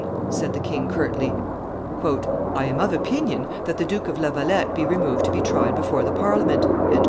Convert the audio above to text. said the king, curtly. "I am of opinion that the Duke of La Valette be removed to be tried before the Parliament."